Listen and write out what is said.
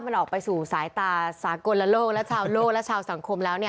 มันออกไปสู่สายตาสากลโลกและชาวโลกและชาวสังคมแล้ว